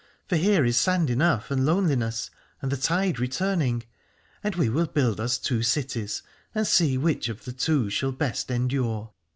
For here is sand enough, and loneHness, and the tide returning : and we will build us two cities, and see which of the two shall best endure.